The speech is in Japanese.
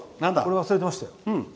忘れてましたよ。